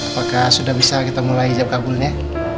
apakah sudah bisa kita mulai hijab kabulnya